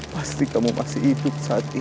pasti kamu masih hidup saat ini